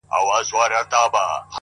دا ستا د حسن د اختر پر تندي!!